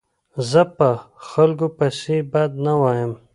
زه په خلکو پيسي بد نه وایم.